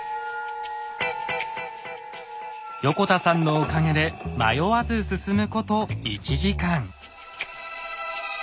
横田さんのおかげで迷わず進むこと１時間。